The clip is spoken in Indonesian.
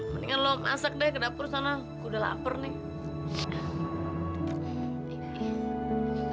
mendingan lo masak deh ke dapur sana udah lapar nih